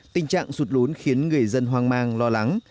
tình trạng sụt lún khiến người dân hoang mang lo lắng